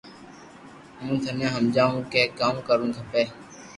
ھون ٽني ھمجاو ڪي ڪاو ڪرو کپي